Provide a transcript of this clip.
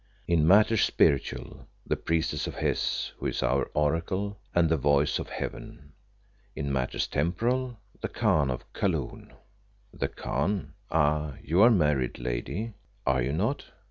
"In matters spiritual, the priestess of Hes, who is our Oracle and the voice of Heaven. In matters temporal, the Khan of Kaloon." "The Khan. Ah! you are married, lady, are you not?"